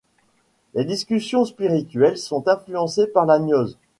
Les discussions spirituelles sont influencées par la gnose.